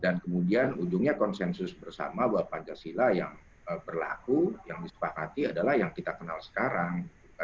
dan kemudian ujungnya konsensus bersama bahwa pancasila yang berlaku yang disepakati adalah yang kita kenal sekarang